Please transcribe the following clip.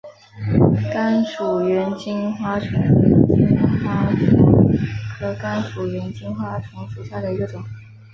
甘薯猿金花虫为金花虫科甘薯猿金花虫属下的一个种。